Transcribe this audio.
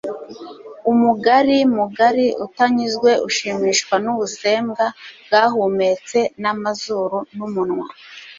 Umugari mugari utanyuzwe ushimishwa nubusembwa bwahumetse mumazuru numunwa